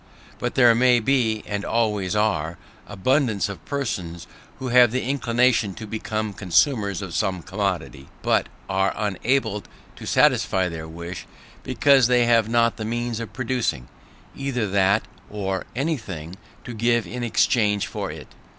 But there may be, and always are, abundance of persons who have the inclination to become consumers of some commodity, but are unable to satisfy their wish, because they have not the means of producing either that, or anything to give in exchange for it.